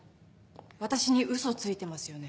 私にウソついてますよね？